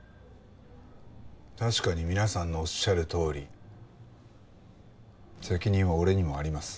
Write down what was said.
確かに皆さんのおっしゃるとおり責任は俺にもあります。